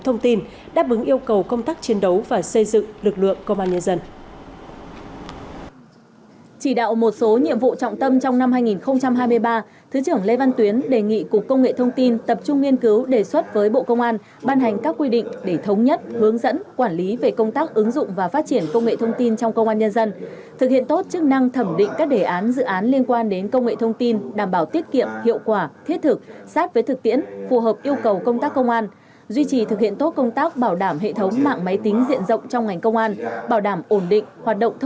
trong năm hai nghìn hai mươi ba thứ trưởng lê văn tuyến đề nghị cục công nghệ thông tin tập trung nghiên cứu đề xuất với bộ công an ban hành các quy định để thống nhất hướng dẫn quản lý về công tác ứng dụng và phát triển công nghệ thông tin trong công an nhân dân thực hiện tốt chức năng thẩm định các đề án dự án liên quan đến công nghệ thông tin đảm bảo tiết kiệm hiệu quả thiết thực sát với thực tiễn phù hợp yêu cầu công tác công an duy trì thực hiện tốt công tác bảo đảm hệ thống mạng máy tính diện rộng trong ngành công an bảo đảm ổn định